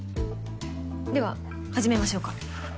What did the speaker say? では始めましょうか。